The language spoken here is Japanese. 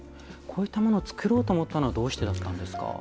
こういったものを作ろうと思ったのはどうしてだったんですか？